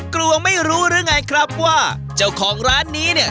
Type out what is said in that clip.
กลัวไม่รู้หรือไงครับว่าเจ้าของร้านนี้เนี่ย